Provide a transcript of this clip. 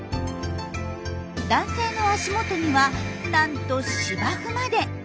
男性の足元にはなんと芝生まで。